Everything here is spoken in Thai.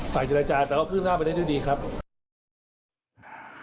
ฝ่ายเย็นละจาทมันเอาไม่ได้ดีครับ